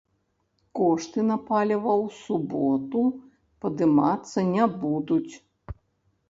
Кошты на паліва ў суботу падымацца не будуць.